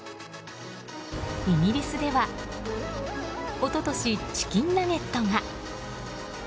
イギリスでは一昨年、チキンナゲットが。